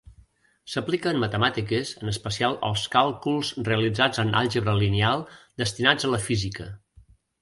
S'aplica en matemàtiques en especial als càlculs realitzats en àlgebra lineal destinats a la física.